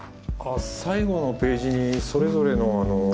あっ最後のページにそれぞれのあの。